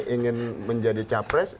ingin menjadi capres